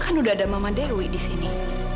kan udah ada mama dewi di sini